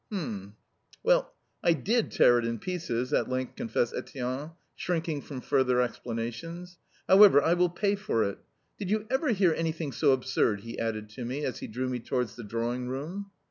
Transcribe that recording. "Hm well, I DID tear it in pieces," at length confessed Etienne, shrinking from further explanations. "However, I will pay for it. Did you ever hear anything so absurd?" he added to me as he drew me towards the drawing room.